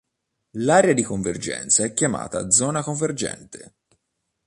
L'area di convergenza è chiamata zona convergente.